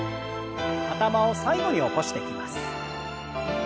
頭を最後に起こしてきます。